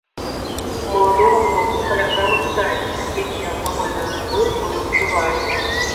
У маладога хлопца каля крамы пытаюся, якія алкагольныя напоі той ужывае.